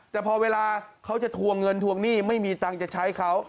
แต่พอเวลาเขาจะทวงเงินทวงหนี้ไม่มีตังค์จะใช้เขา